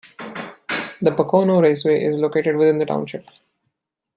The Pocono Raceway is located within the township.